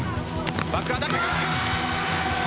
バックアタック。